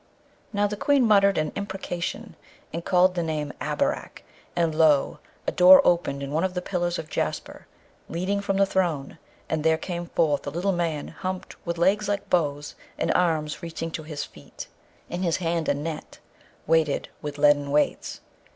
Now, the Queen muttered an imprecation, and called the name 'Abarak!' and lo, a door opened in one of the pillars of jasper leading from the throne, and there came forth a little man, humped, with legs like bows, and arms reaching to his feet; in his hand a net weighted with leaden weights.